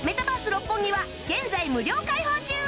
六本木は現在無料開放中！